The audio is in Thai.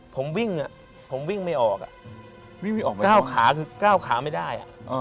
ผมวิ่งอ่ะผมวิ่งไม่ออกวิ่งไม่ออกวิ่งไม่ออกก้าวขาคือก้าวขาไม่ได้